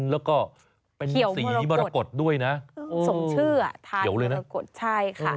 แล้วก็เป็นสีมรกฏด้วยนะสงชื่อทอาธิภรรกฏใช่ค่ะ